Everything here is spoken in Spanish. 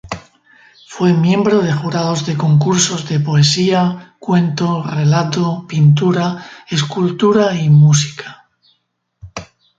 Fue miembro de Jurados de Concursos de Poesía, Cuento, Relato, Pintura, Escultura y Música.